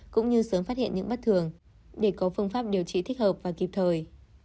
cũng như sớm phát hiện những bất thường để có phương pháp điều trị thích hợp và kịp thời